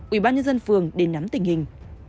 ủy ban nhân dân phường để nắm tình hình